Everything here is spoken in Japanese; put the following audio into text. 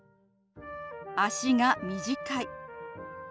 「足が短い」。